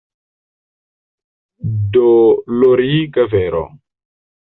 Doloriga vero!